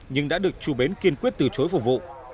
nhưng đã được chủ bến kiên quyết từ chối phục vụ